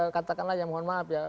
katakanlah ya mohon maaf ya